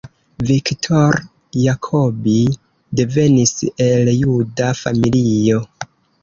Viktor Jacobi devenis el juda familio.